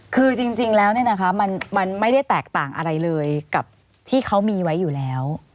คือจริงแล้วมันไม่ได้แตกต่างอะไรเลยกับที่เขามีไว้อยู่แล้ว